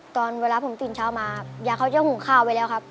ตอนเวลาผมตื่นเช้ามายายเขาจะหุงข้าวไปแล้วครับ